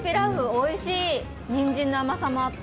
おいしい、にんじんの甘さもあって。